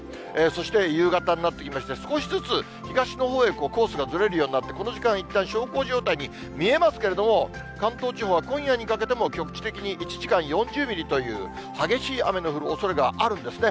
そして夕方になってきまして、少しずつ東のほうへコースがずれるようになって、この時間、いったん小康状態に見えますけれども、関東地方は今夜にかけても、局地的に１時間４０ミリという、激しい雨の降るおそれがあるんですね。